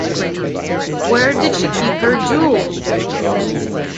Where did she keep her jewels!